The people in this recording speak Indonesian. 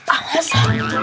ah gak usah